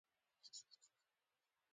زه غلی وم او په ژورو فکرونو کې ډوب شوی وم